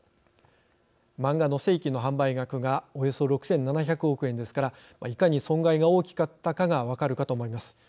漫画の正規の販売額がおよそ６，７００億円ですからいかに損害が大きかったかが分かるかと思います。